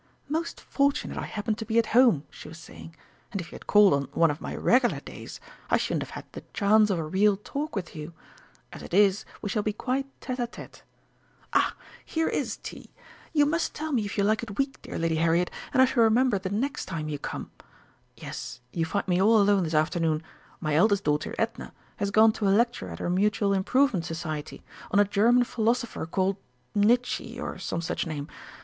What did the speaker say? "Most fortunate I happened to be at home," she was saying. "And if you had called on one of my regular days, I shouldn't have had the chance of a real talk with you. As it is, we shall be quite tête à tête.... Ah, here is tea you must tell me if you like it weak, dear Lady Harriet, and I shall remember the next time you come. Yes, you find me all alone this afternoon. My eldest daughter, Edna, has gone to a lecture at her Mutual Improvement Society, on a German Philosopher called Nitchy, or some such name.